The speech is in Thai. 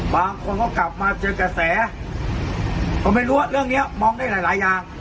บางคนก็กลับมาเจอกระแสผมไม่รู้ว่าเรื่องนี้มองได้หลายหลายอย่าง